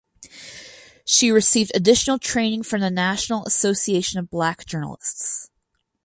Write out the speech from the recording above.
She received additional training from the National Association of Black Journalists.